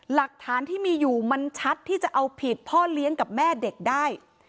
หลักฐานที่มีอยู่มันชัดที่จะเอาผิดพ่อเลี้ยงกับแม่เด็กได้